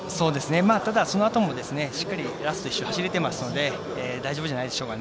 ただ、そのあともしっかりラスト１周走れていますので大丈夫じゃないでしょうか。